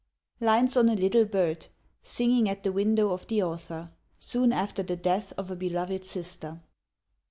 LINES ON A LITTLE BIRD Singing at the Window of the Author, SOON AFTER THE DEATH OF A BELOVED SISTER.